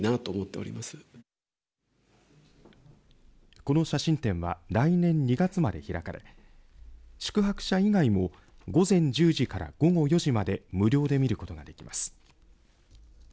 この写真展は来年２月まで開かれ宿泊者以外も午前１０時から午後４時まで無料で見ることができます。